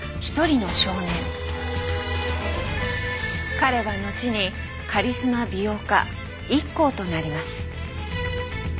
彼は後にカリスマ美容家ＩＫＫＯとなります。